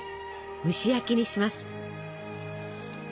蒸し焼きにします。